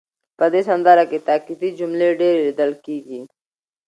په دې سندره کې تاکېدي جملې ډېرې لیدل کېږي.